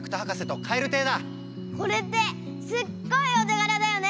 これってすっごいお手がらだよね？